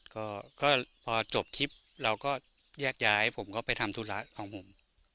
ก็พอจบคลิปเราก็แยกย้ายผมก็ไปทำธุระของผม